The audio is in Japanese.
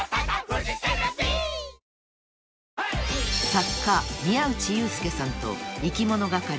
［作家宮内悠介さんといきものがかり